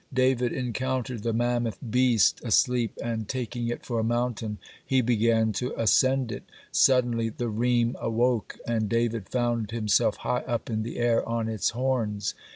David encountered the mammoth beast asleep, and taking it for a mountain, he began to ascend it. Suddenly the reem awoke, and David found himself high up in the air on its horns.